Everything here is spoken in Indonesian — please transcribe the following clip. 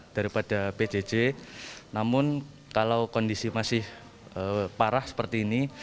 daripada pjj namun kalau kondisi masih parah seperti ini